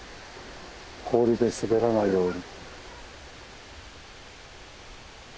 氷で滑らないように。